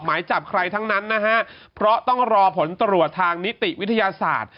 หมายจับใครทั้งนั้นนะฮะเพราะต้องรอผลตรวจทางนิติวิทยาศาสตร์